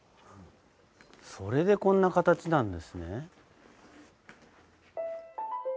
それでこんな形なんですね。